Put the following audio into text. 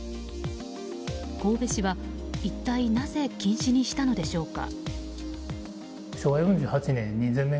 神戸市は一体なぜ禁止にしたのでしょうか。